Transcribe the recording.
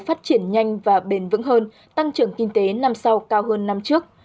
phát triển nhanh và bền vững hơn tăng trưởng kinh tế năm sau cao hơn năm trước